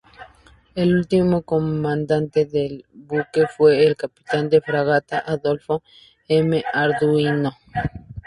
El último comandante del buque fue el capitán de fragata Adolfo M. Arduino.